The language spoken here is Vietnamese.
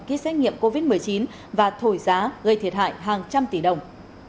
ký xét nghiệm covid một mươi chín và thổi giá gây thiệt hại hàng trăm tỷ đồng